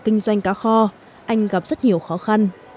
kinh doanh cá kho anh gặp rất nhiều khó khăn